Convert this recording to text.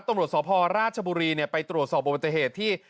ตรงรวดสพราชบุรีไปตรวจสอบบัญเทศที่